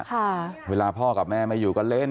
ค่ะเวลาพ่อกับแม่ไม่อยู่ก็เล่น